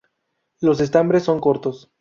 Los estambres son cortos.